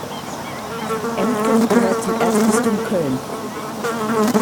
Embken gehört zum Erzbistum Köln.